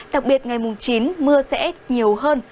đặc biệt ngày chín mưa sẽ nhiều hơn